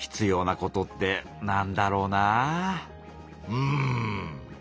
うん。